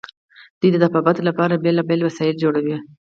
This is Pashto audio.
دوی د طبابت لپاره بیلابیل وسایل جوړوي.